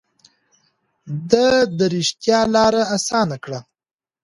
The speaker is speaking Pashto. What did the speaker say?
ده د رښتيا لاره اسانه کړه.